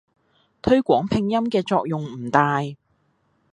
推廣拼音嘅作用唔大